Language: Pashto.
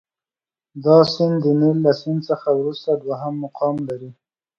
دا سیند د نیل له سیند څخه وروسته دوهم مقام لري.